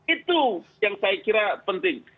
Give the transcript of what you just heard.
itu yang saya kira penting